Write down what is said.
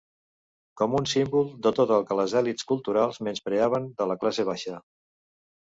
Com un símbol de tot el que les elits culturals menyspreaven de la classe baixa.